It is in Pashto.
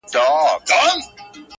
هوښ له سره د چا ځي چي یې لیدلې،